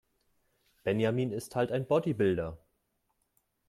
Benjamin ist halt ein Bodybuilder.